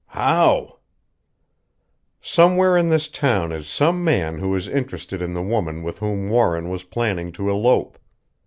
"How?" "Somewhere in this town is some man who is interested in the woman with whom Warren was planning to elope.